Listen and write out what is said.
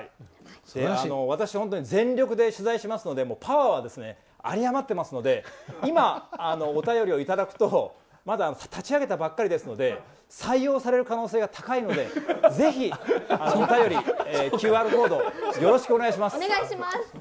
私、全力で取材しますのでパワーはあり余ってますので今、お便りをいただくとまだ立ち上げたばかりですので採用される可能性が高いのでぜひ、お便りＱＲコードへよろしくお願いします。